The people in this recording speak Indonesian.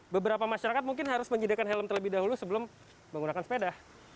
beberapa masyarakat mungkin harus menyediakan helm terlebih dahulu sebelum menggunakan sepeda